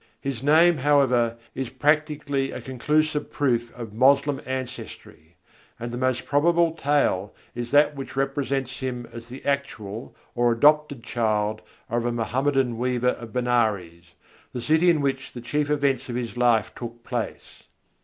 His name, however, is practically a conclusive proof of Moslem ancestry: and the most probable tale is that which represents him as the actual or adopted child of a Mohammedan weaver of Benares, the city in which the chief events of his life took place.